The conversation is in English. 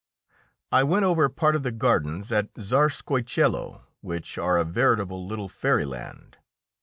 I went over part of the gardens at Czarskoiesielo, which are a veritable little fairyland.